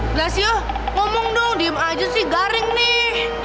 belas yuk ngomong dong diem aja sih garing nih